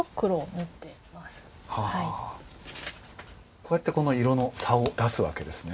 こうやって色の差を出すわけですね。